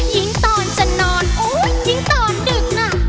ยิ่งตอนจะนอนยิ่งตอนดึกน่ะ